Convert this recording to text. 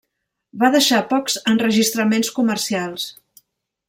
Va deixar pocs enregistraments comercials.